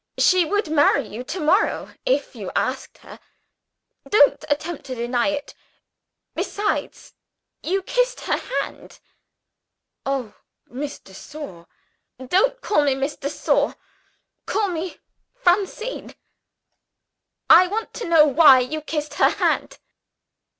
She would marry you to morrow, if you asked her. Don't attempt to deny it! Besides, you kissed her hand." "Oh, Miss de Sor!" "Don't call me 'Miss de Sor'! Call me Francine. I want to know why you kissed her hand."